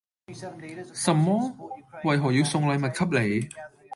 什麼？為何要送禮物給你？